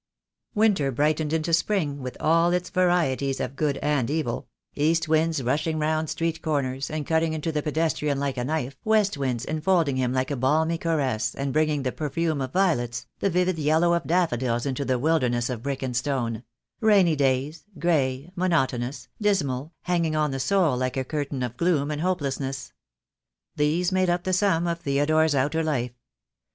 Winter brightened into spring, with all its varieties of good and evil; east winds rushing round street corners, and cutting into the pedestrian like a knife; west winds enfolding him like a balmy caress, and bringing the per fume of violets, the vivid yellow of daffodils into the wilderness of brick and stone; rainy days, grey, mono 42 THE DAY WILL COME. tonous, dismal, hanging on the soul like a curtain of gloom and hopelessness. These made up the sum of Theodore's outer life.